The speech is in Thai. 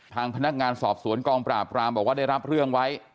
ทางพนักงานสอบสวนกองปราบรามบอกว่าได้รับเรื่องไว้